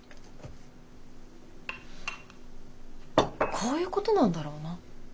こういうことなんだろうな。